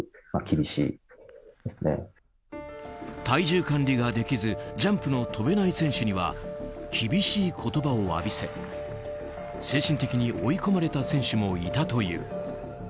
体重管理ができずジャンプが跳べない選手には厳しい言葉を浴びせ精神的に追い込まれた選手もいたという。